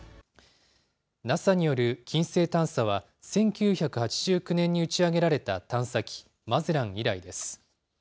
ＮＡＳＡによる金星探査は、１９８９年に打ち上げられた探査機、マゼラン以来です。